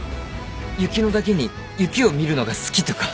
雪乃だけに雪を見るのが好きとか？